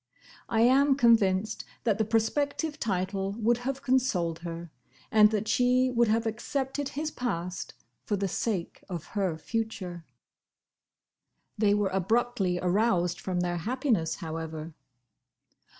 I am convinced that the prospective title would have consoled her, and that she would have accepted his past for the sake of her future. They were abruptly aroused from their happiness, however.